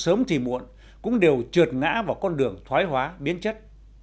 sớm thì muộn cũng đều trượt ngã vào con đường thoái hóa biến chất